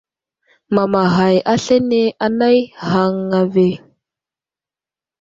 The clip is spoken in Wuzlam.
Mamaghay aslane anay ghaŋŋa ve.